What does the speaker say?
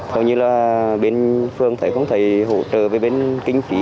hầu như là bên phương thầy không thầy hỗ trợ với bên kinh phí